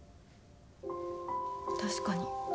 確かに。